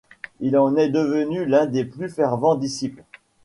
Il en est devenu l'un des plus fervents disciples.